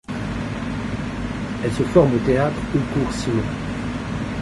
Elle se forme au théâtre au Cours Simon.